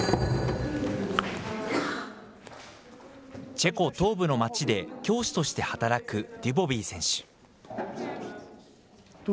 チェコ東部の街で教師として働くドゥボビー選手。